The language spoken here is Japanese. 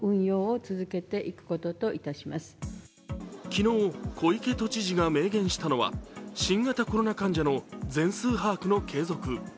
昨日、小池都知事が明言したのは新型コロナ患者の全数把握の継続。